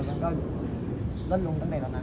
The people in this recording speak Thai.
ก็เหมือนว่าตอนนั้นก็อยู่ลดลงตั้งแต่ตอนนั้นแล้ว